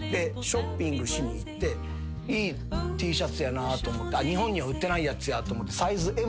ショッピングしにいっていいＴシャツやなと思って日本には売ってないやつやと思ってサイズ